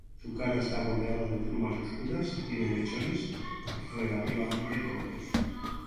Su cara está bordeada de plumas oscuras y tiene mechones relativamente cortos.